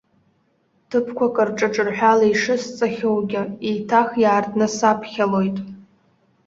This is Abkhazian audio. Ҭыԥқәак рҿы ҿырҳәала ишысҵахьоугьы, еиҭах иаартны саԥхьалоит.